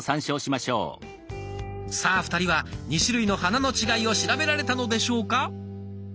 さあ２人は２種類の花の違いを調べられたのでしょうか。